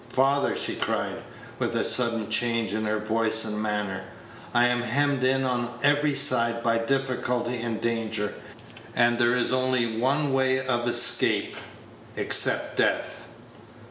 father!" she cried, with a sudden change in her voice and manner, "I am hemmed in on every side by difficulty and danger, and there is only one way of escape except death.